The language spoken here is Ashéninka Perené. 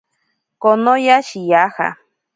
Konoya shiyaja.